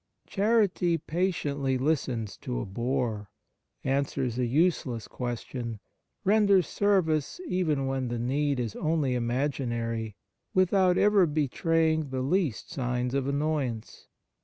Charity patiently listens to a bore, answers a useless question, renders service even when the need is only imaginary, without ever betraying the least signs of annoyance.